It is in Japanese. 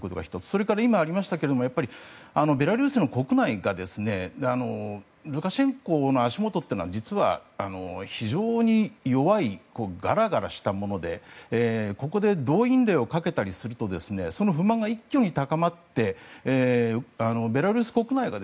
それから今ありましたがベラルーシの国内がルカシェンコの足元というのは実は非常に弱いがらがらしたものでここで動員令をかけたりするとその不満が一挙に高まってベラルーシ国内が